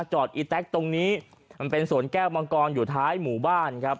อีแต๊กตรงนี้มันเป็นสวนแก้วมังกรอยู่ท้ายหมู่บ้านครับ